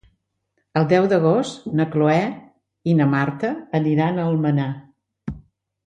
El deu d'agost na Cloè i na Marta aniran a Almenar.